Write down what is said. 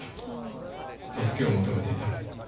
助けを求めていたのに。